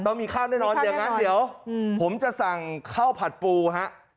ต้องมีข้าวแน่นอนเดี๋ยวผมจะสั่งข้าวผัดปูครับ